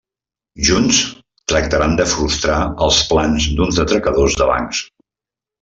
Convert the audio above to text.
Junts, tractaran de frustrar els plans d'uns atracadors de bancs.